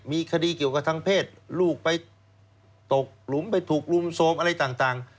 มีคดีเกี่ยวกับทางเพศลูกไปตกหลุมไปถูกรุมโทรมอะไรต่าง